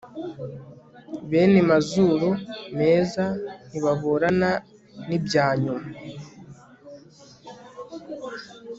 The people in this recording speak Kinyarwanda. bene amazuru meza ntibaburana n'ibya nyuma